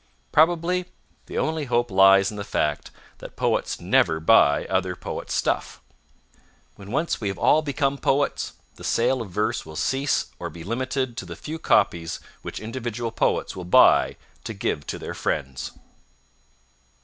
Probably the only hope lies in the fact that poets never buy other poets' stuff. When once we have all become poets, the sale of verse will cease or be limited to the few copies which individual poets will buy to give to their friends.